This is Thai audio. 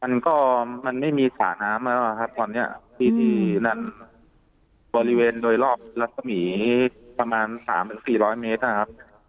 มันก็มันไม่มีสระน้ำแล้วอะครับตอนเนี้ยที่ที่นั่นบริเวณโดยรอบรัศมีรประมาณสามหรือสี่ร้อยเมตรนะครับ